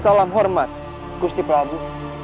salam hormat gusti prabu